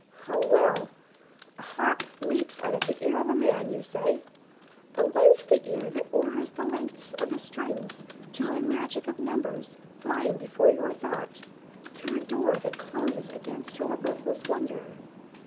Oh well! A harp leaps out of the ear of a man, you say, But whence the ear that orders the length of the strings To a magic of numbers flying before your thought Through a door that closes against your breathless wonder?